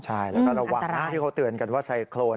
ใช่แล้วก็ระวังนะที่เขาเตือนกันว่าไซโครน